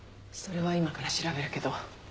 それは今から調べるけど。